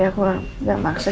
aku gak maksa